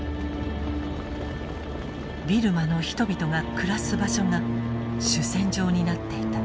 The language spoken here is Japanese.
ビルマの人々が暮らす場所が主戦場になっていた。